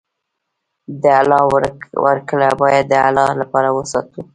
د الله ورکړه باید د الله لپاره وساتو.